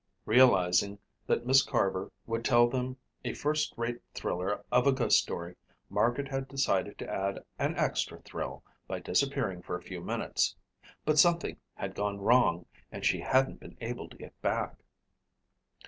Realizing that Miss Carver would tell them a first rate thriller of a ghost story, Margaret had decided to add an extra thrill by disappearing for a few minutes. But something had gone wrong and she hadn't been able to get back.